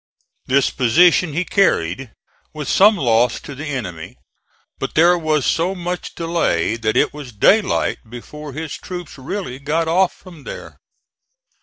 This position he carried, with some loss to the enemy; but there was so much delay that it was daylight before his troops really got off from there.